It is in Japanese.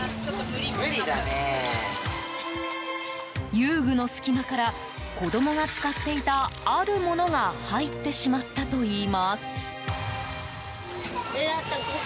遊具の隙間から子供が使っていたあるものが入ってしまったといいます。